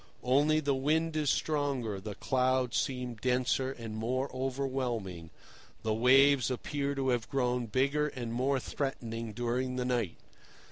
Only the wind is stronger, the clouds seem denser and more overwhelming, the waves appear to have grown bigger and more threatening during the night.